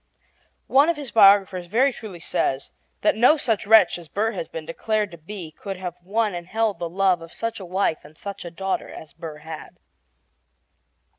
One of his biographers very truly says that no such wretch as Burr has been declared to be could have won and held the love of such a wife and such a daughter as Burr had.